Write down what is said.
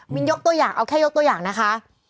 ยกตัวอย่างเอาแค่ยกตัวอย่างนะคะ